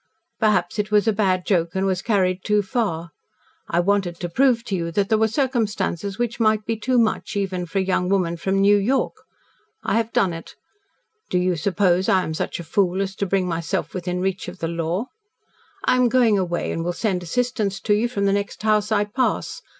Perhaps it was a bad joke and was carried too far. I wanted to prove to you that there were circumstances which might be too much even for a young woman from New York. I have done it. Do you suppose I am such a fool as to bring myself within reach of the law? I am going away and will send assistance to you from the next house I pass.